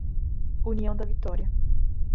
União da Vitória